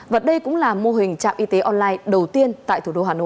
và đây cũng là mô hình trạm y tế online đầu tiên tại thủ đô hà nội